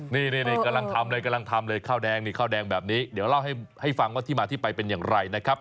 นี่กำลังทำเลยข้าวแดงแบบนี้เดี๋ยวเล่าให้ฟังว่าที่มาที่ไปเป็นอย่างไรนะครับ